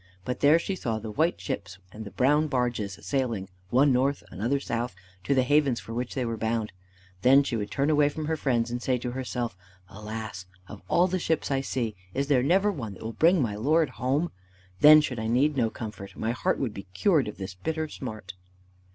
But there she saw the white ships and the brown barges sailing, one north, another south, to the havens for which they were bound. Then she would turn away from her friends and say to herself: "Alas! of all the ships I see, is there never one that will bring my lord home? Then should I need no comfort. My heart would be cured of this bitter smart."